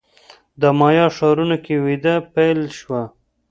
د مایا ښارونو کې وده پیل شوه.